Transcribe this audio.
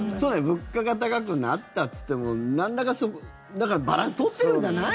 物価が高くなったといってもだからバランス取ってるんじゃないの。